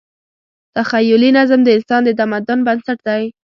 تخیلي نظم د انسان د تمدن بنسټ دی.